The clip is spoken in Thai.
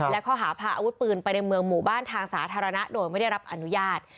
และข้อหาพาอาวุธปืนไปในเมืองหมู่บ้านทางสาธารณะโดยไม่ได้รับอนุญาต